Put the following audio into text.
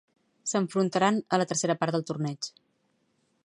S'enfrontaran a la tercera part del torneig.